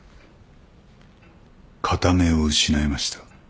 片目を失いました。